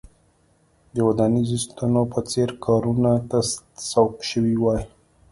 د ودانیزو ستنو په څېر کارونو ته سوق شوي وای.